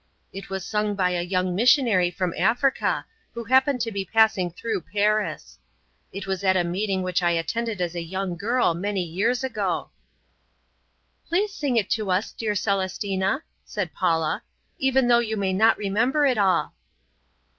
It was sung by a young missionary from Africa who happened to be passing through Paris. It was at a meeting which I attended as a young girl many years ago." "Please sing it to us, dear Celestina," said Paula, "even though you may not remember it all."